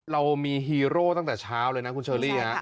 เรามีฮีโร่ตั้งแต่เช้าเลยนะคุณเชอรี่